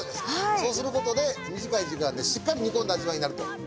そうすることで短い時間でしっかり煮込んだ味わいになると。